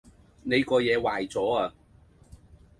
你個野壞左呀